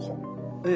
ええ。